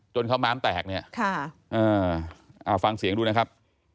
จนเขาม้ามแตกเนี่ยฟังเสียงดูนะครับ